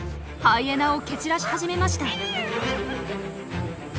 ハイエナを蹴散らし始めました。